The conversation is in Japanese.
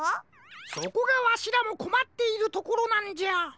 そこがわしらもこまっているところなんじゃ。